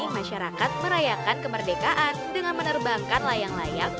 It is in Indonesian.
masyarakat merayakan kemerdekaan dengan menerbangkan layang layang